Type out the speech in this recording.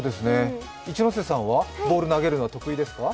一ノ瀬さんはボール投げるのは得意ですか？